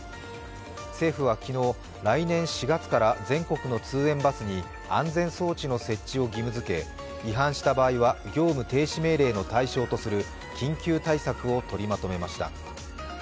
政府は昨日、来年４月から全国の通園バスに安全装置の設置を義務づけ違反した場合は、業務停止命令の対象とする緊急対策を取りまとめました。